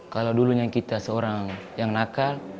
kalau dulunya kita seorang yang nakal